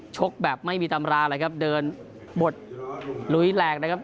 ชกแบบไม่มีตำราอะไรครับเดินบดหลุยแรงนะครับ